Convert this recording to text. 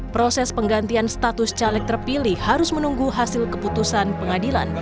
proses penggantian status caleg terpilih harus menunggu hasil keputusan pengadilan